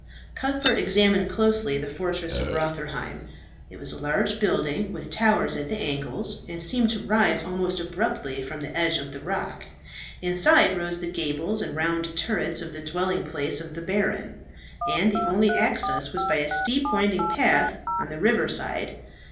Cuthbert examined closely the fortress of Rotherheim. It was a large building, with towers at the angles, and seemed to rise almost abruptly from the edge of the rock. Inside rose the gables and round turrets of the dwelling place of the baron; and the only access was by a steep winding path on the river side.